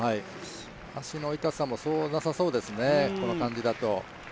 足の痛さもそうなさそうですね、この感じだと。